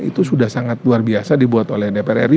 itu sudah sangat luar biasa dibuat oleh dpr ri